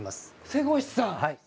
瀬越さん！